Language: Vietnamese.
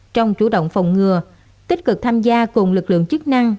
trong chủ động phòng ngừa tích cực tham gia cùng lực lượng chức năng